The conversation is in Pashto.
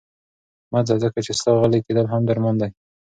مه ځه، ځکه چې ستا غلي کتل هم درمان دی.